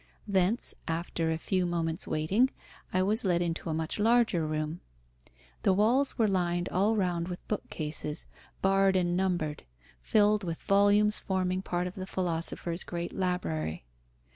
Thence, after a few moments' waiting, I was led into a much larger room. The walls were lined all round with bookcases, barred and numbered, filled with volumes forming part of the philosopher's great library.